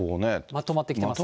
まとまってきてますね。